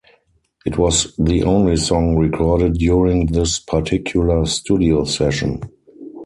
It was the only song recorded during this particular studio session.